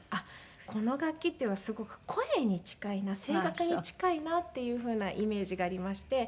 この楽器っていうのはすごく声に近いな声楽に近いなっていうふうなイメージがありまして。